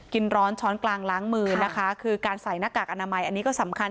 กินร้อนช้อนกลางล้างมือนะคะคือการใส่หน้ากากอนามัยอันนี้ก็สำคัญ